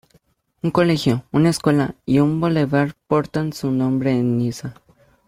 Un Colegio, una Escuela, y un bulevar portan su nombre en Niza